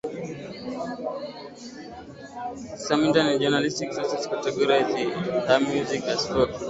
Some internet journalistic sources categorize her music as folk, psychedelic folk, or new folk.